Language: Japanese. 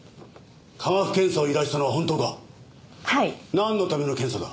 なんのための検査だ？